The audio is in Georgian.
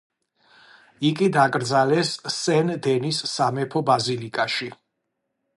იგი დაკრძალეს სენ დენის სამეფო ბაზილიკაში.